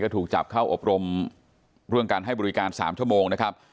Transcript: ถูกจับเข้าอบรมเรื่องการให้บริการ๓ชั่วโมงนะครับ